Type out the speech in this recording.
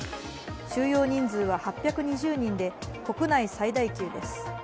収容人数は８２０人で国内最大級です。